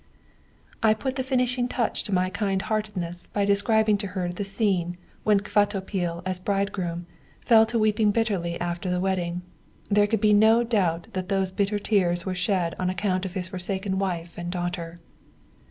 "I put the finishing touch to my kind heartedness by describing to her the scene when Kvatopil, as bridegroom, fell to weeping bitterly after the wedding; there could be no doubt that those bitter tears were shed on account of his forsaken wife and daughter.